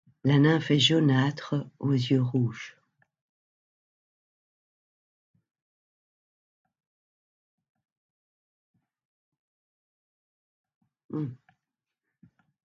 La nymphe est jaunâtre aux yeux rouges.